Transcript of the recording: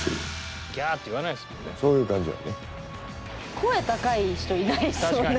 声高い人いないですよね。